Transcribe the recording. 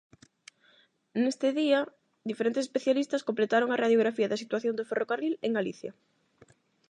Neste día, diferentes especialistas completaron a radiografía da situación do ferrocarril en Galicia.